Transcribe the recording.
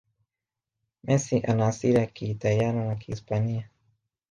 Messi ana asili ya kiitaliano na kihispania